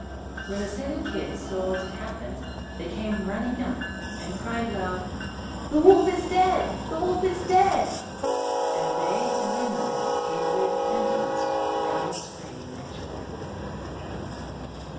When the seven Kids saw what had happened, they came running up, and cried aloud 'The Wolf is dead, the Wolf is dead!' and they and their mother capered and danced round the spring in their joy.